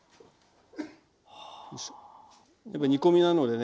やっぱり煮込みなのでね